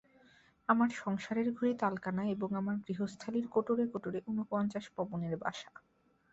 আমার সংসারের ঘড়ি তালকানা এবং আমার গৃহস্থালির কোটরে কোটরে উনপঞ্চাশ পবনের বাসা।